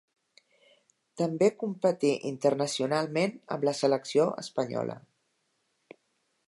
També competí internacionalment amb la selecció espanyola.